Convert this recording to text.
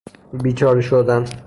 بیچاره شدن